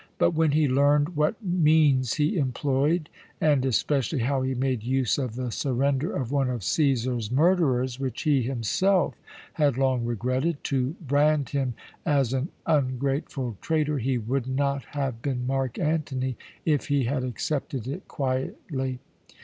But when he learned what means he employed, and especially how he made use of the surrender of one of Cæsar's murderers, which he himself had long regretted, to brand him as an ungrateful traitor, he would not have been Mark Antony if he had accepted it quietly.